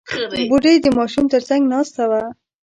بوډۍ د ماشوم تر څنګ ناسته وه.